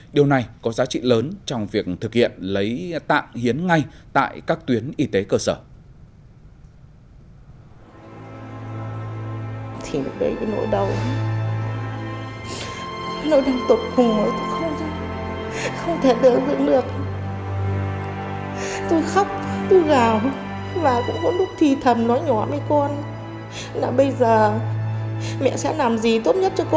điều này có giá trị lớn trong việc thực hiện lấy tạng hiến ngay tại các tuyến y tế cơ sở